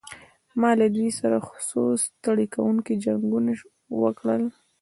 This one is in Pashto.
ما له دوی سره څو ستړي کوونکي جنګونه وکړل.